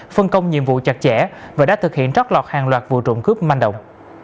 phân công nhiệm vụ chặt chẽ và đã thực hiện rót lọt hàng loạt vụ trộn cướp manh động